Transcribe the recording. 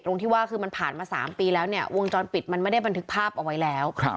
ที่ว่าคือมันผ่านมา๓ปีแล้วเนี่ยวงจรปิดมันไม่ได้บันทึกภาพเอาไว้แล้ว